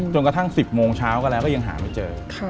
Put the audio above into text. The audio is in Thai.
กระทั่ง๑๐โมงเช้าก็แล้วก็ยังหาไม่เจอ